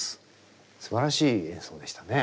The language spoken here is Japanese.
すばらしい演奏でしたね。